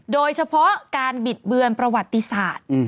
โดยเฉพาะการบิดเบือนประวัติศาสตร์